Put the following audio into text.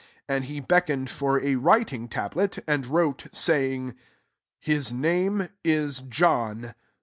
6$ And he beckon^ for a writing*tablety and wrois oayingy ^^Ms mane is John.